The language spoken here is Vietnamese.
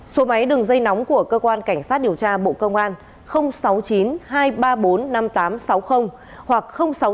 số máy đường dây nóng của cơ quan cảnh sát điều tra bộ công an sáu mươi chín hai trăm ba mươi bốn năm nghìn tám trăm sáu mươi hoặc sáu mươi chín hai trăm ba mươi hai một nghìn sáu trăm sáu mươi